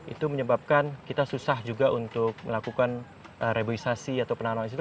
itu menyebabkan kita susah juga untuk melakukan rebuisasi atau penanaman